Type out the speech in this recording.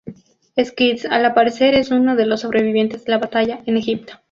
Skids al parecer es uno de los sobrevivientes de la batalla en Egipto.